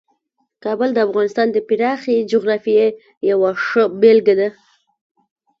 کابل د افغانستان د پراخې جغرافیې یوه ښه بېلګه ده.